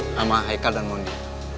sama heikal dan mondi